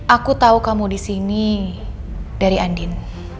aku tahu kamu disini dari andin